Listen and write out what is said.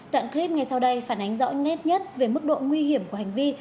đoạn clip ngay sau đây phản ánh rõ nét nhất về mức độ nguy hiểm của hành vi